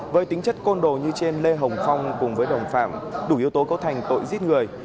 với tính chất côn đồ như trên lê hồng phong cùng với đồng phạm đủ yếu tố cấu thành tội giết người